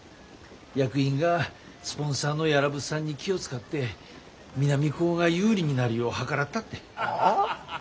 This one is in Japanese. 役員がスポンサーの屋良物産に気を遣って南高が有利になるよう計らったって。